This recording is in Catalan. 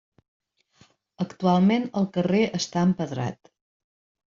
Actualment el carrer està empedrat.